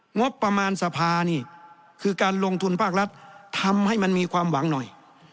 งบประมาณสภานี่คือการลงทุนภาครัฐทำให้มันมีความหวังหน่อย